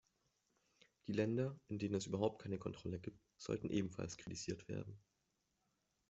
Die Länder, in denen es überhaupt keine Kontrolle gibt, sollten ebenfalls kritisiert werden.